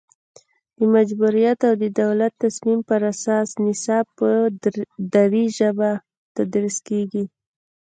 د مجبوریت او د دولت تصمیم پر اساس نصاب په دري ژبه تدریس کیږي